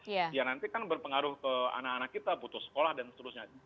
ya nanti kan berpengaruh ke anak anak kita butuh sekolah dan seterusnya